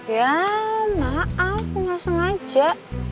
ya maaf enggak sengaja